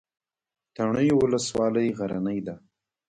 تڼیو ولسوالۍ غرنۍ ده؟